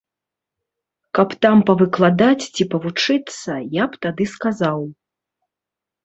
Каб там павыкладаць ці павучыцца, я б тады сказаў.